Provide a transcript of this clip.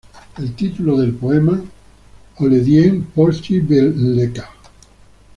El título del poema Оденем Родину в леса!